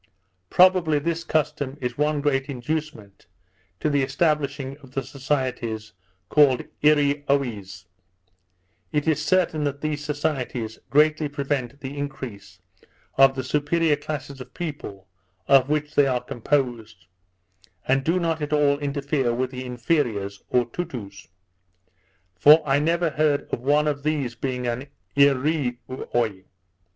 Probably this custom is one great inducement to the establishing of the societies called Eareeoies. It is certain that these societies greatly prevent the increase of the superior classes of people of which they are composed, and do not at all interfere with the inferiors, or Toutous; for I never heard of one of these being an Eareeoy.